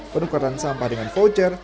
penukaran sampah dengan voucher